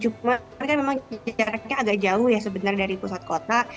cuma kan memang jaraknya agak jauh ya sebenarnya dari pusat kota